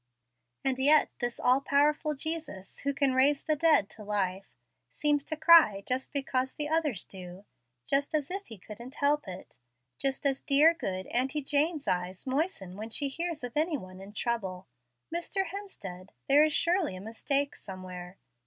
And yet this all powerful Jesus, who can raise the dead to life, seems to cry just because the others do, just as if He couldn't help it, just as dear, good Auntie Jane's eyes moisten when she hears of any one in trouble. Mr. Hemstead, there is surely a mistake somewhere.